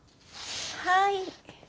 はい。